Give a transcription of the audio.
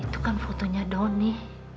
itu kan fotonya doni